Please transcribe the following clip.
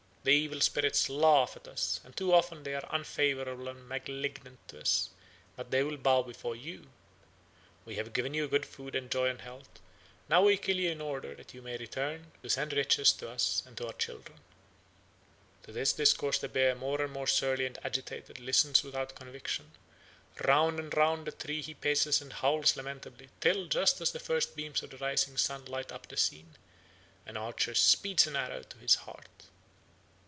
The evil spirits laugh at us, and too often they are unfavourable and malignant to us, but they will bow before you. We have given you food and joy and health; now we kill you in order that you may in return send riches to us and to our children." To this discourse the bear, more and more surly and agitated, listens without conviction; round and round the tree he paces and howls lamentably, till, just as the first beams of the rising sun light up the scene, an archer speeds an arrow to his heart.